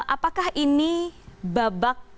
apakah ini babak